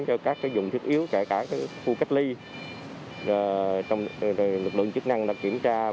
cho các dụng